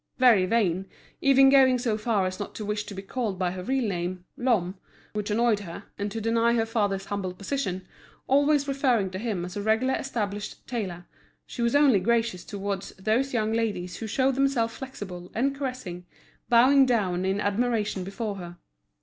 Very vain, even going so far as not to wish to be called by her real name, Lhomme, which annoyed her, and to deny her father's humble position, always referring to him as a regularly established tailor, she was only gracious towards those young ladies who showed themselves flexible and caressing, bowing down in admiration before her.